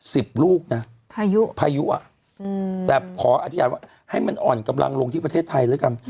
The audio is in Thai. สิบลูกนะพายุพายุอ่ะอืมแต่ขออธิบายว่าให้มันอ่อนกำลังลงที่ประเทศไทยแล้วกัน